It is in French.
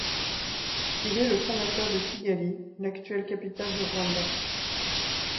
Il est le fondateur de Kigali, l'actuelle capitale du Rwanda.